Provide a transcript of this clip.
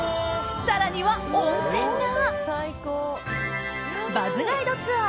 更には温泉が！